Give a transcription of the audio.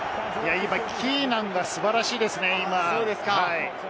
キーナンが素晴らしいですね。